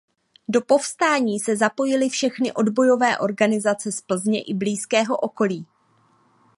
Do povstání se zapojily všechny odbojové organizace z Plzně i blízkého okolí.